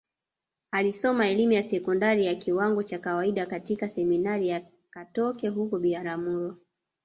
Alisoma elimu ya sekondari ya kiwango cha kawaida katika Seminari ya Katoke huko Biharamulo